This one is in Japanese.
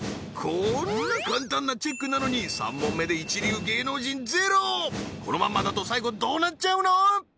こんな簡単なチェックなのに３問目で一流芸能人ゼロこのまんまだと最後どうなっちゃうの？